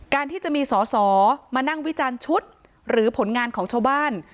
ที่จะมีสอสอมานั่งวิจารณ์ชุดหรือผลงานของชาวบ้าน